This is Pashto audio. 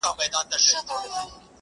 زما په یاد دي پاچا خره ته وه ویلي-